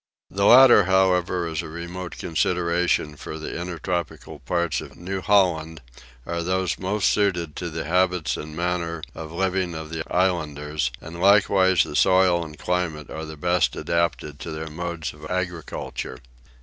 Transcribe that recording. The latter however is a remote consideration for the intertropical parts of New Holland are those most suited to the habits and manner of living of the islanders; and likewise the soil and climate are the best adapted to their modes of agriculture.